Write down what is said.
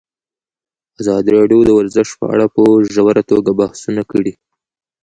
ازادي راډیو د ورزش په اړه په ژوره توګه بحثونه کړي.